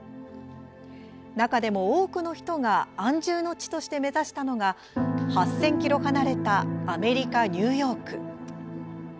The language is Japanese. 中でも多くの人が安住の地として目指したのが８０００ｋｍ離れたアメリカ・ニューヨーク。